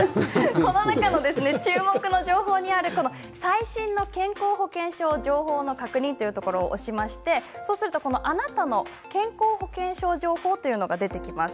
このアプリの中の最新の健康保険証情報の確認というところを押しますとあなたの健康保険証情報というものが出てきます。